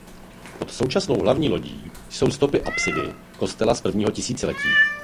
Pod současnou hlavní lodí jsou stopy apsidy kostela z prvního tisíciletí.